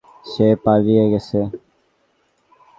সে পালিয়ে গেছ।